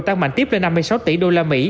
tăng mạnh tiếp lên năm mươi sáu tỷ đô la mỹ